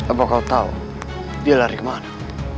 apa kau tahu dia lari kemana